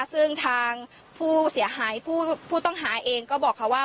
ซึ่งทางผู้เสียหายผู้ต้องหาเองก็บอกค่ะว่า